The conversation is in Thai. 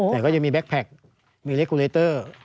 แต่ก็จะมีแบ๊คแพ็กมีเรคกูเลเตอร์